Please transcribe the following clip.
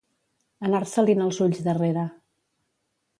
Anar-se-li'n els ulls darrere.